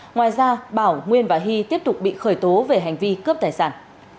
ngoài ra bảo nguyên và hy tiếp tục bị khởi tố về hành vi cướp tài sản